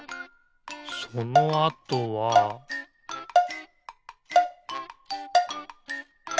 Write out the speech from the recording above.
そのあとはピッ！